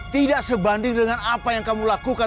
tidak sebanding dengan apa yang kamu lakukan